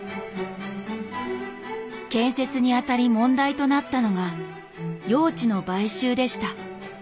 建設にあたり問題となったのが用地の買収でした。